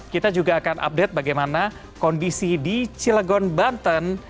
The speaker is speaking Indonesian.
kita juga akan update bagaimana kondisi di cilegon banten